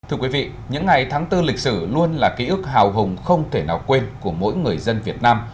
thưa quý vị những ngày tháng bốn lịch sử luôn là ký ức hào hùng không thể nào quên của mỗi người dân việt nam